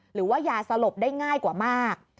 หรือว่ายาสลบได้ง่ายกว่ามาก